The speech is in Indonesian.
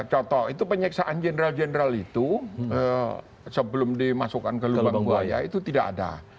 contoh itu penyiksaan jenderal jenderal itu sebelum dimasukkan ke lubang buaya itu tidak ada